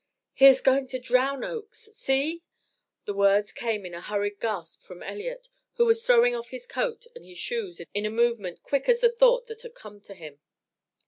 "He is going to drown Oakes see!" The words came in a hurried gasp from Elliott, who was throwing off his coat and his shoes in a movement quick as the thought that had come to him.